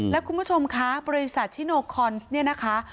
แล้วคุณผู้ชมคะบริษัทชิโนคอนส์เนี่ยนะคะ